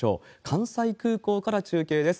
関西空港から中継です。